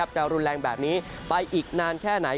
จะรุนแรงแบบนี้ไปอีกนานแค่ไหน